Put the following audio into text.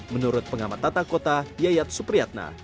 menurut pengamat tata kota yayat supriyatna